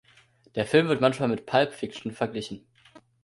Der Film wird manchmal mit Pulp Fiction verglichen.